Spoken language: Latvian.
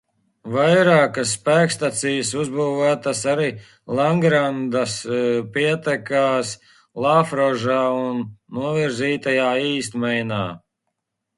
Vairākas spēkstacijas izbūvētas arī Lagrandas pietekās Laforžā un novirzītajā Īstmeinā.